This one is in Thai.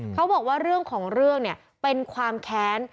เขาบอกว่าเรื่องของเรื่องเนี่ยเป็นความแค้น